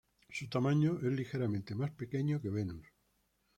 Su tamaño es ligeramente más pequeño que Venus.